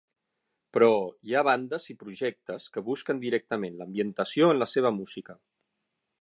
Però, hi ha bandes i projectes que busquen directament l'ambientació en la seva música.